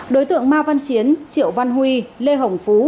đối tượng ma văn chiến triệu văn huy lê hồng phú